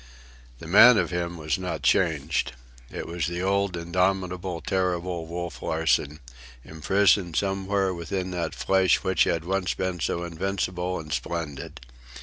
The man of him was not changed. It was the old, indomitable, terrible Wolf Larsen, imprisoned somewhere within that flesh which had once been so invincible and splendid.